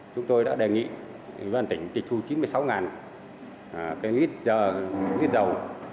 chúng tôi đã đề nghị văn tỉnh tịch thu chín mươi sáu ít dầu